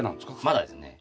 まだですね。